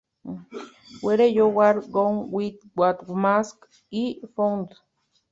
Where you are going with that mask I found?